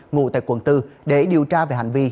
ngụ tại quận bốn để điều tra về hành vi